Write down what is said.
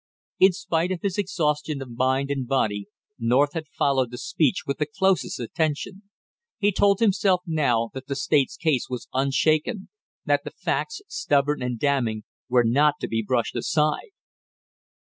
In spite of his exhaustion of mind and body North had followed the speech with the closest attention. He told himself now, that the state's case was unshaken, that the facts, stubborn and damning, were not to be brushed aside.